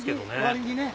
割にね。